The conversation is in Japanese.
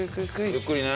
ゆっくりね。